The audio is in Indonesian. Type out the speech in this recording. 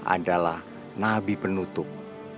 adalah nabi penutup